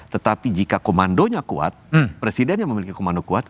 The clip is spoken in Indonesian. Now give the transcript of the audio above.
tetapi jika komandonya kuat presiden yang memiliki komando kuat